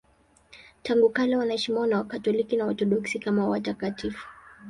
Tangu kale wanaheshimiwa na Wakatoliki na Waorthodoksi kama watakatifu.